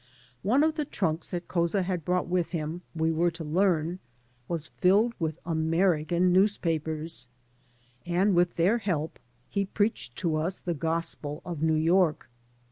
One of the trunks that Couza had brought with him, we were to learn, was filled with American newspapers, and with their help he preached to us the gospel of New York.